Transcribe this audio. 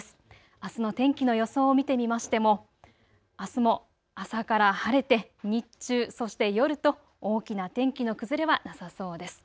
あすの天気の予想を見てみましてもあすも朝から晴れて日中、そして夜と大きな天気の崩れはなさそうです。